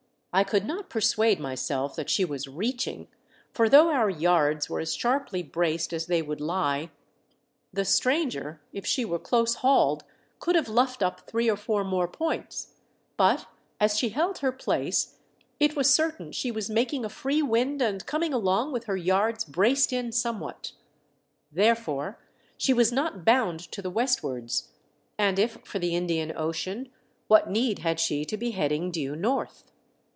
I could not persuade myself that she was "reaching," for though our yards were as sharply braced as they would lie, the stranger, if she were close hauled, could have luffed up three or four more points ; but as she held her place it was certain she was making a free wind and coming along with her yards braced in some what. Therefore she was not bound to the westwards, and if for the Indian Ocean, what need had she to be heading due north